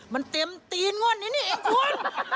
มันเต็มตีนงวดนี้เนี่ยเองคุณ